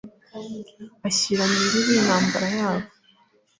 ashyira n'irubi intambara yabo